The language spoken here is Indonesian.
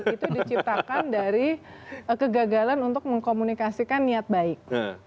itu diciptakan dari kegagalan untuk mengkomunikasikan niat baik